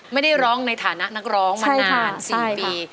ไม่ได้ร้องในฐานะนักร้องมานาน๔ปี